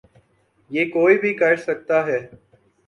یہ کوئی بھی کر سکتا ہے۔